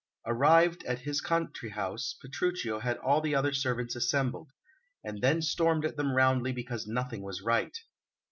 Arrived at his country house, Petruchio had all the other servants assembled, and then stormed at them roundly because nothing was right.